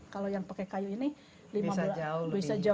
kalau yang pakai kayu ini bisa jauh lebih banyak